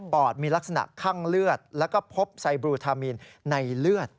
อดมีลักษณะคั่งเลือดแล้วก็พบไซบลูทามีนในเลือด